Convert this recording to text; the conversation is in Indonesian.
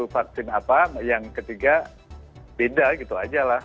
vaksin apa yang ketiga beda gitu aja lah